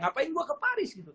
ngapain gue ke paris